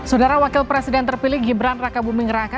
saudara wakil presiden terpilih gibran raka buming raka